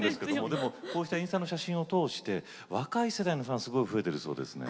でもこうしたインスタの写真を通して若い世代のファンすごい増えてるそうですね。